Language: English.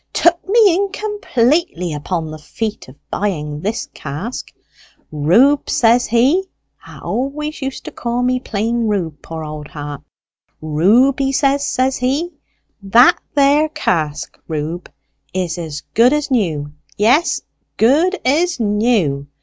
took me in completely upon the feat of buying this cask. 'Reub,' says he 'a always used to call me plain Reub, poor old heart! 'Reub,' he said, says he, 'that there cask, Reub, is as good as new; yes, good as new.